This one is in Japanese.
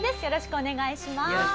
よろしくお願いします。